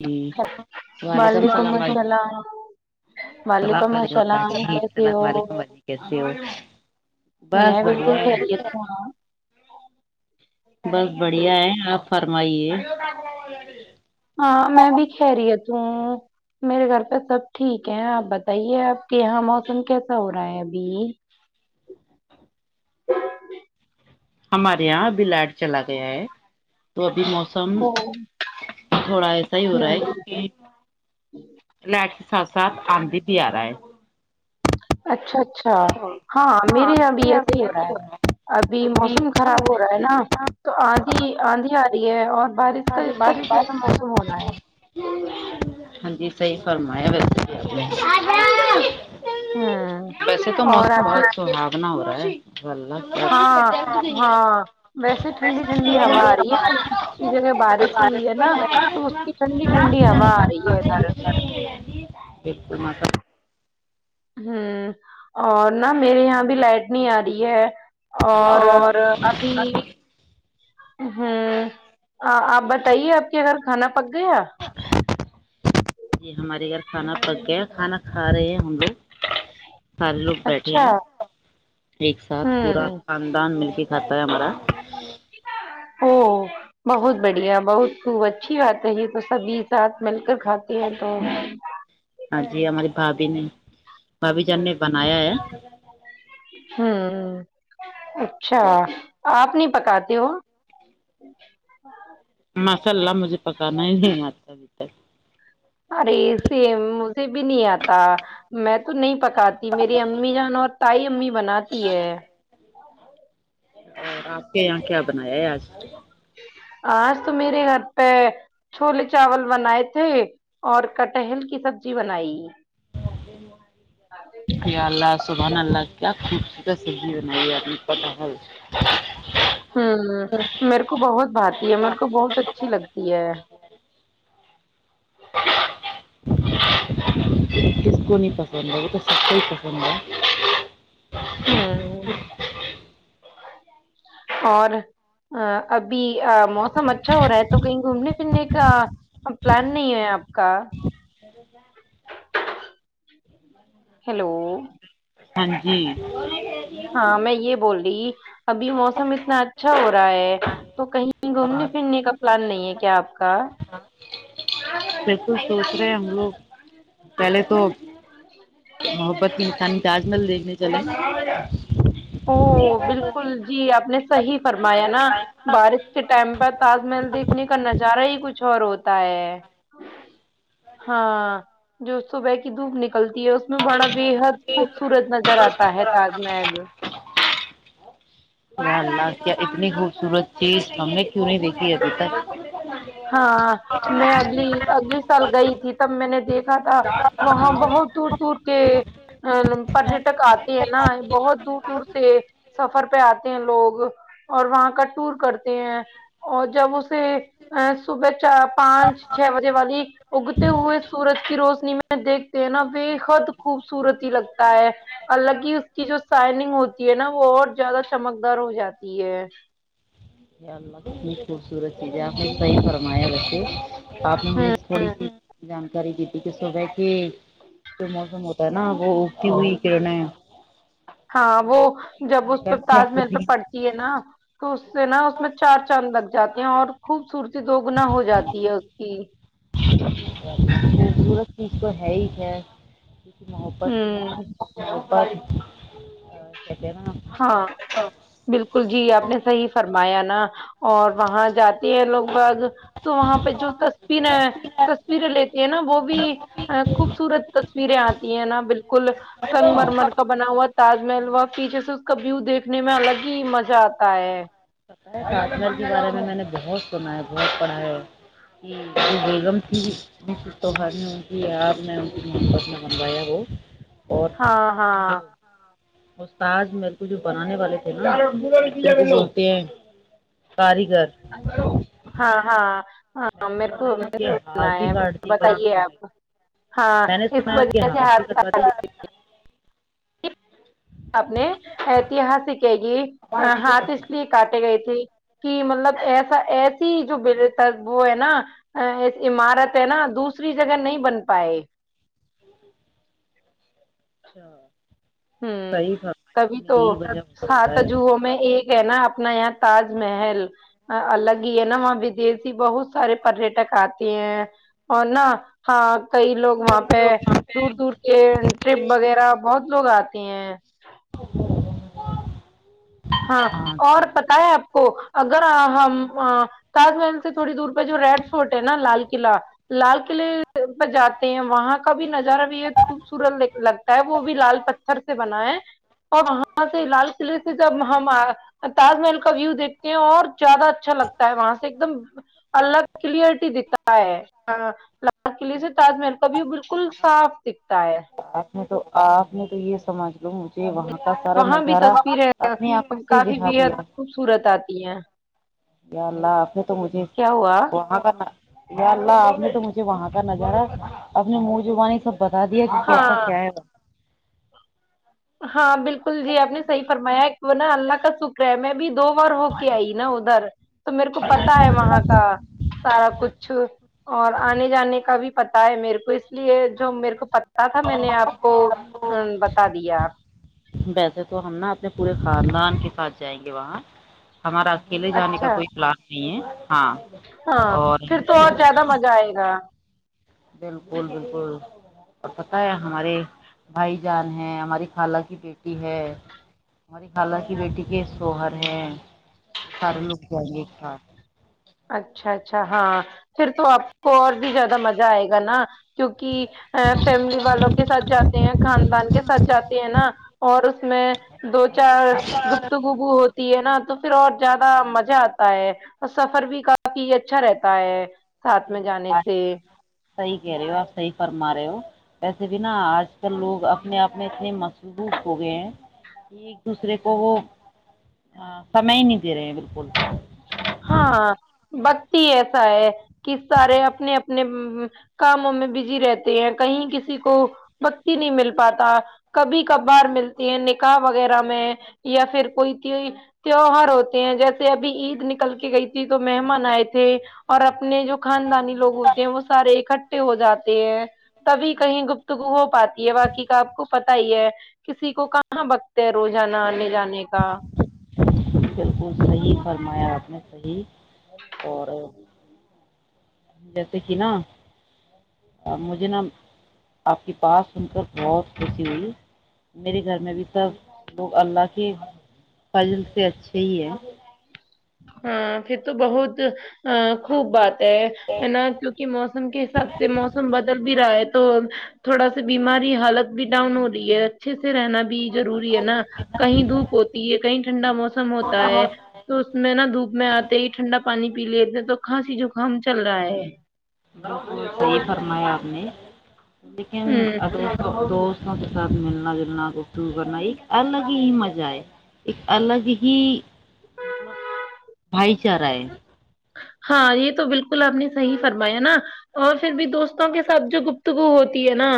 ج وعلیکم اللام علم اللام وعلیکم علیکم السلام اللہ کیسی اللام ہو ععلیکم ع کیسے ہو بس میں بڑھیا بالکل ہے خیریت ہوں ہاں بس بڑھیا ہے آپ فرمائیے ہاں میں بھی خیریت ہوں میرے گھر پہ سب ٹھیک ہے آپ بتائیے آپ کے یہاں موسم کیسا ہو رہا ہے ابھی ہمارے یہاں ابھی لائڈ چلا گیا ہے تو موسم او تھوڑا ایسا ہی ہو رہا ہے ہوں کیونکہ لائٹ کے ساتھ ساتھ آندھی بھی آ رہا ہے اچھاچ اچھا ہاں میرے یہاں بھی یہ صح ہی ہو رہا ہے ابھی موسم خراب ہو رہا ہے نا تو آندھی آندھی آھی ہے اور بارش کا بارش جیسا موسم ہو رہا ہے فرما ویسے ہوں ویسے تو اور موسم آپ کے بہت سھنا ہوا نہیں ہاں ہاں ویسے ٹھنڈی ٹھنڈی ہوا آ رہی ہے کہ دوسری جگہ بارش ہوئی ہے نا تو اس کی ٹھنڈی ٹھنڈی ہوا آ رہی ہے ادھر بالکل ماشاء اللہ۔ ہوں اور نہ میرے یہاں بھی لائٹ نہیں آ رہی ہے اور ابھی ہاں آپ بتائیے آپ کے گھر کھانا پک گیا جی ہمارے گھر کھانا پکے کھانا کھا رہے ہیں ہ لو سارے لوگ بیٹھے اچھا ہیں ایک ساتھ پورا ہوں خاندان مل کے کھاتا ہے ہمارا او بہت بڑھیا بہت خوب اچھی بات رہی تو سبھی ساتھ مل کر کھاتے ہیں تو ہاں جی ہماری بھاابھی نے بھابی جان نے بنایا ہے [inaudible] ہاں ہ اچھا آپ نہیں پکاتے ہو مساللہ مجھے پکانا نہیں آتا ا ارے سیم مجھے بھی نہیں آتا میں تو نہیں پکاتی میری امی جان اور تائی امی بناتی ہے اور آپ کے یہاں کیا بنایا ہے آج آج تو میرے گھر پہ چھوولے چاول بنائے تھے اور کٹہل کی سبزی بنائی ا اللہ سبحان اللہ خوبصت س ہ میرے کو بہت بھاتات ہے میرے کو بہت اچھی لگتی ہے جی اسس کو نہیں پسند ہے وہ تو سب پسند ہے ہوں اور ا اب موسم اچھا ہو رہا ہے تو کہیں گھومنے پھرنے کے کا پلان نہیں ہے آپ کا سر ہیلو ہاں جی ہاں میں یہ بول رہی ابھی موسم اتنا اچھا ہو رہا ہے تو کہیں گھومنے پھرنے کا پلان نہیں ہے کیا آپ کا بیکو س ے ہم لوگ پہلے تو محبت کی مانی تاج محل دیکھنے چلے او بالکل جی آپ نے صحیح فرمایا نا بارش کے ٹائم پر تاج محل دیکھنے کا نظارہ ہی کچھ اور ہوتا تا ہے ہاں جو صبح کی دھکھ نک نکلتی ہے اس میں بڑا بےحد خوبصورت نظر آتا ہے تاج محل و اللہ کیا اتنی خوبصورت چیز ہم نے کیوں نہیں دیکھی ابھی تک ہاں میں اگلی اگلی سال گئی تب میں نے دیک تھا وہاں بہت دور دور کے ا پریٹک آتے ہیں نا بہت دور دور سے سفر پہ آتے ہیں لوگ اور وہاں کا ٹور کرتے ہیں اور جب اسے صبح چار پانچ چھ بجے والی اگتے ہوئے سورج کی روشنی دیکھتے ہیں نا ا بحد خوبصورت ہی لگتا ہے الگ ہی کی جو سائنگ ہوتی نا وہ اور زیادہ چمکدار ہو جاتی ہے ال خصور ج صی پر وچی آپ نے ہوں تھوڑی س جان کراری گی ت کہ صبح کے جو موسم ہوتا ہے نا وہ کت کر ن ہاں وہ جب اس پہ تاج محل پہ پڑتی ہے نا تو اس سے نا اس میں چار چاند لگ جاتے ہیں اور خوبصورتی دوگنا ہو جاتی ہے اس کی سورج کی [unintelligible] اس کو ہے ہی ہے محبت کی ہوں بند ہاں بالکل جی آپ نے صحیح فرمایا نا اور وہاں جاتے ہیں لوگ بگ تو وہاں پہ جو تصویر تصویریں لیتی ہیں نا وہ بھی خوبصورت تصویریں آتی ہیں نا بالکل بالکل سنگ مر مر کا بنا ہوا تھا تاج محل وا فیچر سے اس کا ویو دیکھ دیکھنے میں الگ ہی مزہ آتا ہے کاٹلر کے بارے میں میں نے بہت سنا ہے بہت پڑھا ہے کہ جو بیگم کیانی ان کی آپ نے ان کی محبت نے بنوایا وہ اور ہاں ہاں استاد میرے ک جو بنانے والے تھے نا سنتے ہیں کاریگر ہاں ہاں میں ہاں نے میرے سنا کو ہے ان کے ہاتھ بھی کاٹ دیے گئے تھے بتائیے انہوں نے آپ ہاں میں نے اس سنا ہے وجہ سے ہ ہ اپنے ایتہاس س کہے گی ہاتھ اس لیے کاٹے گئے تھی کہ مطلب ایسا ایسی جو ب وہ ہے نا عمارت ہے نا دوسری جگہ نہیں بن پائے اچھا ہوں تبھی تو وجہ ہو سکتا سات ہے جوہوں میں ایک ہے نا اپنا یہاں تاج محل الگ ہی ہے نا وہاں ودیشی بہت سارے پریٹک آتے ہیں اور نہ ہاں کئی لوگ وہاں پہ دور دور کے ٹرپ وغیرہ بہت لوگ آتے ہیں [inaudible] ہاں اور پت ہے آپ کو اگر ہم تاج محل سے تھوڑی دور پہ جو ریڈ فورورٹ ہے نا لال قلعہ لال قلعے پہ جاتے ہیں وہاں کا بھی نظارہ بھی ایک خوبصورت لگتا ہے وہ بھی لال پتھر سے بنا ہے اور وہاں سے لال قلعے سے ہم تاج محل کا ویو دیکھتے ہیں اور زیادہ اچھا لگتا ہے وہاں سے ایک دم الگ کلیئرٹی دکھتا ہے قلعے سے تاج محل کا بھیھی وہ بالکل کتنا صاف دکھتا ہے میں تو آپ نے تو یہ سمجھ لوں مجھے وہاں کا سارا وہاں بھی نظارہ تصویریں اپنی آنکھوں سے کافی دکھا بےحد خوبصورت آتی تییا گیا اللہا آف تو مجھے وہاں کرنا اللہ آپ نے تو مجھے وہاں کا نظارا اپنے منہ جوبانی سب بتا دیا کہ کیسا ہاں کیا ہے ب ہاں بالکل جی آپ نے صحیح فرمایا ایک وہ نا اللہ کا شکر ہے میں بھی دو بار ہو کے آئی نا ادھر تو میرے کو پتا ہے وہاں کا سارا کچھ اور آنے جانے کا بھی پتا ہے میرے کو لی جو میرے کو پہ تھا میں نے آپ کو بتا دیا ویسے تو ہم نا اپنے پورے خاندان کے ساتھ جائیں گے وہاں ہمارا اکیلے جانے کا اچھا کوئی پلان نہیں ہے ہاں ہاں اور پھر تو اورہ زیادہ مزہ آئے گا بالکل بالکل اور پت ہے ہمارے بھائی جان ہے ہماری خالہ کی بیٹی ہے ہماری خالہ کی بیٹی کے سوہر ہے سارے لوگ آئی گے ایک ک اچھا اچھا ہاں پھر تو آپ کو اور بھی زیادہ مزہ آئے گا نا کیوںکہ ا فیملی والوں کے ساتھ جاتے ہیں خاندان کے ساتھ جاتے ہیں نا اور اس میں دو چار گپت گوگو ہوتی ہے نا تو اور زیادہ مز مہ آتا ہے اور سفر بھی کافی یہ اچھا رہتا ہے ساتھ میں صحیح ہے جانے آج سے صحیح کہہ رہے ہو آپ صحیح فرما رہے ہو ویسے بھیناا آج کل لوگ اپنے آپ میں اتنے مصبوط ہو گئے ہیں کہ ایک دوسرے کو وہ سمے ہی نہیں دے رہے ہیں بالکل ہاں بکتی ایسا ہے کہ سارے اپنے اپنے کاموں میں بزی رہتے ہیں کہیں کسی کو بکتی نہیں مل پاتا کبھی کبھار ملتے ہیں نکاح وغیرہ میں یا پھر کوئی تیوہار ہوتے ہیں جیسے ابھی عید نکل کے گئی تھی تو مہمان آئے تھے تھے اور اپنے جو خاندانی لوگ ہوتے وہ سارے اکٹھے ہو جاتے ہیں تبھی کہیں گپت ہو پاتی ہے باقی کا آپ کو پتا ہی ہے کسی کو کہاں بکتے ہے روزانہ آنے جانے کا بالکل صحیح فرمایا آپ نے صحیح اور جیسے کہ نا مجھے نا آپ کی بات سن کر بہت خوشی ہوئی میرے گھر میں بھی سب لوگ اللہ کے فضل سے اچھے ہی ہیں ہاں پھر تو بہت ا خوب بات ہے نا کیونکہ موسم کے حساب سے موسم بدل بھی رہا ہے تو تھوڑا سا بیماری حالت بھی ڈاؤن ہو رہی ہے اچھے سے رہنا بھی ضروری ہے نا کہیں دھوپ ہوتی ہے کہیں ٹھنڈا موسم ہوتا ہے تو نا دھوپ میں آتے ہی ٹھنڈا پانی پی لیتے ہیں تو کھانسی ہی زکام چل رہا ہے فرمایا اپ نے لیکن ہ اگر دو وں کے ساتھ ملنا جلنا گفت کرنا ایک الگ ہی مزہ ہے ایک الگ ہی مطلب بھائی چارہ ہے ہاں یہ تو بالکل آپ نے صحیح فرمایا نا اور پھر بھی دوستوں کے ساتھ جو گپتگو ہوتی ہے نا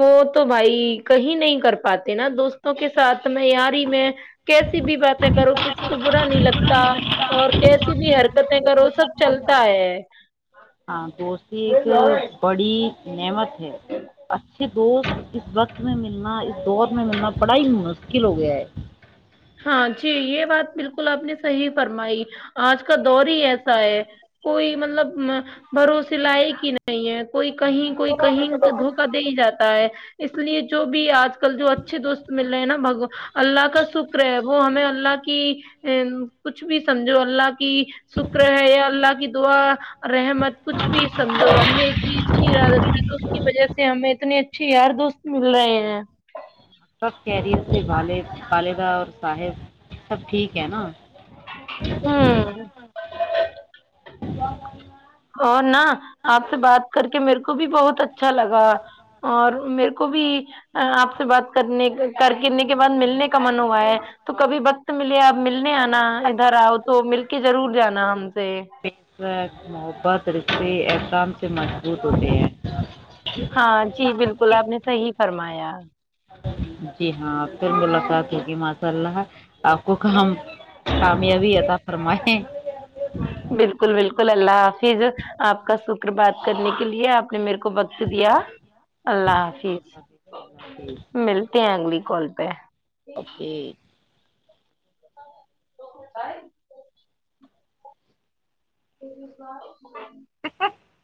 وہ تو بھائی کہیں نہیں کر پاتے نا دوستوں کے ساتھ میں یار ہی میں کیسی بھی باتیں کرو کسی کو برا نہیں لگتا اور کیس کی بھی حرکتیں کرو سب چلتا ہے نمت ج [unintelligible] اچھے دوست اس وقت میں ملنا اس دور میں ملنا پڑھائی مشکل ہو گیا ہے ہاں جی یہ بات بالکل آپ نے صحیح فرمائی آج کا دور ہی ایسا ہے کوئی مطلب بھروسے لائی کی نہیں ہے کوئی کہیں کوئی کہیں دھوکا دے ہی جاتا ہے اس لیے جو بھی آج کل جو اچھے دوست مل رہے ہیں نا بگو اللہ رہے وہ ہمیں اللہ کے کہ ا کچھ بھی سمجھو اللہ کہ شکر ہے یا اللہ کی دعا رحمت کچھ بھی سمجھو ہم نے اتنی اچھی عرادت کی تو اس کی وجہ سے ہمیں اتنی ا اچھے یار دوست مل رہے ہیں پالدہ اور صاحب سب ٹھیک ہے نا ہ اور ن آپ سے بات کر کے میرے کو کو بھی بہت اچھا لگا اور میرے کو بھی آپ سے بات کرنے کر کے بعد ملنے کا من ہوا ہے تو کبھی ب ب ملنے آنا ادھر آؤ تو مل کے ضرور جانا ہم [unintelligible] پس رہ ربا درسے [unintelligible] ایسام [inaudible] مضبوط ہوتے ہیں [unintelligible] گلاب نے صحیح فرمایا [inaudible] جی ہاں پھر ملاقات ہے کہی ماشاء اللہ آپ کو کہم [unintelligible] کامیابی ہے ت [inaudible] برم [unintelligible] بالکل بالکل اللہ حافظ آپ کا شکر بات کرنے کے لیے آپ نے میرے کو [unintelligible] کو وقت دیا اللہ حافظ حافظ ملتے ہیں اگلی [inaudible] کول پہ [inaudible] یہ بھی [inaudible] اوکے تو [inaudible] پ [inaudible] [inaudible]